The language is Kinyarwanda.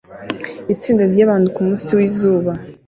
Itsinda ryabantu kumunsi wizuba